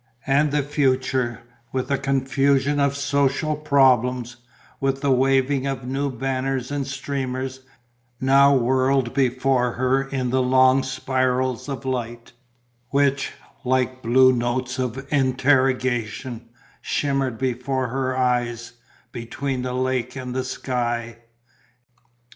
And the future, with a confusion of social problems, with the waving of new banners and streamers, now whirled before her in the long spirals of light, which, like blue notes of interrogation, shimmered before her eyes, between the lake and the sky.